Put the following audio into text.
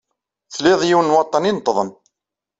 Tlid yiwen n waḍḍan ineṭṭḍen.